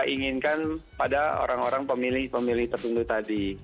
inginkan pada orang orang pemilih pemilih tertentu tadi